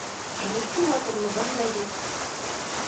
Элекке матурлығым да юҡ.